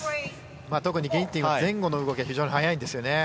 ギンティンは前後の動きが非常に速いです。